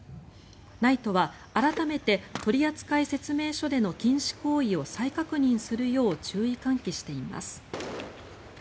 ＮＩＴＥは改めて取扱説明書での禁止行為を再確認するよう注意喚起しています。